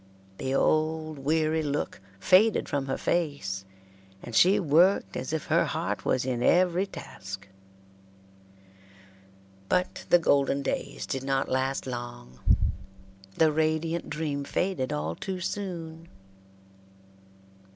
The old weary look faded from her face, and she worked as if her heart was in every task. But the golden days did not last long. The radiant dream faded all too soon.